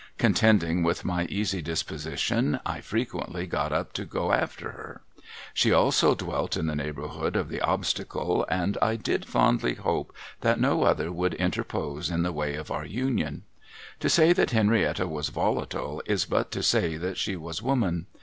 Contending with my easy disposition, I frequently got up to go after her. She also dwelt in the neighbourhood of the Obstacle, and I did fondly hope that no other would interpose in the way of our union. To say that Henrietta was volatile is but to say that she was woman.